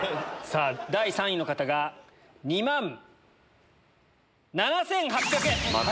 第３位の方が２万７８００円。